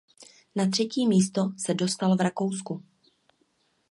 Na třetí místo se dostal v Rakousku.